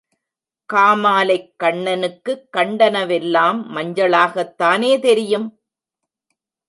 காமாலைக் கண்ணனுக்குக் கண்டனவெல்லாம் மஞ்சளாகத்தானே தெரியும்?